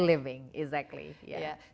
lebih banyak hidup betul